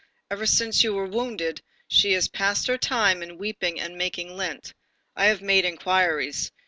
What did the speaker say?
Ever since you were wounded, she has passed her time in weeping and making lint. I have made inquiries.